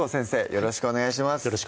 よろしくお願いします